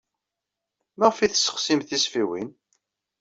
Maɣef ay tesseɣsim tisfiwin?